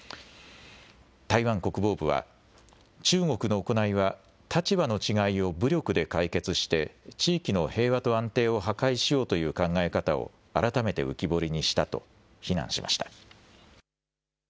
台湾国防部は、中国の行いは立場の違いを武力で解決して、地域の平和と安定を破壊しようという考え方を改めて浮き彫りにしたと非難しました。